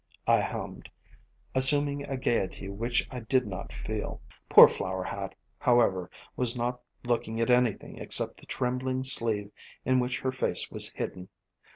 I hummed, assuming a gayety which I did not feel. Poor Flower Hat, however, was not looking at anything except the trembling sleeve in which her face was hidden.